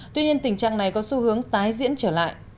tuy nhiên tình trạng này có xu hướng tái diễn trở lại